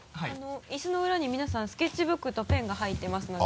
椅子の裏に皆さんスケッチブックとペンが入っていますので。